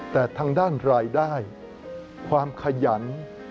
แต่ทางด้านรายได้ความขยัน